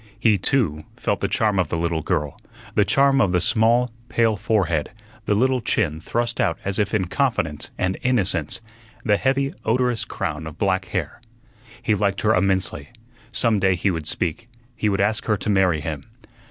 He, too, felt the charm of the little girl the charm of the small, pale forehead; the little chin thrust out as if in confidence and innocence; the heavy, odorous crown of black hair. He liked her immensely. Some day he would speak; he would ask her to marry him.